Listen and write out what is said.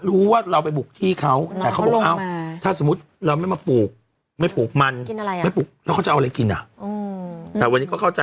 รู้ว่าเราไปปลูกที่เขา